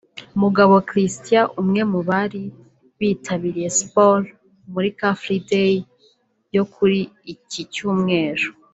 Mugabo Christian Umwe mu bari bitabiriye Siporo muri Car Free Day yo kuri iki Cyumweru